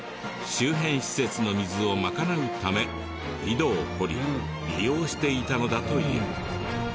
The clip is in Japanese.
周辺施設の水をまかなうため井戸を掘り利用していたのだという。